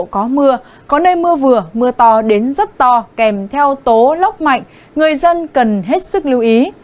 có mưa có nơi mưa vừa mưa to đến rất to kèm theo tố lốc mạnh người dân cần hết sức lưu ý